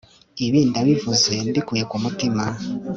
ibi ndabivuze mbikuye ku mutima